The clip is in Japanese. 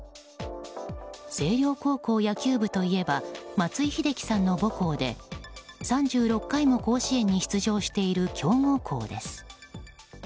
星稜高校野球部といえば松井秀喜さんの母校で３６回も甲子園に出場している強豪校です。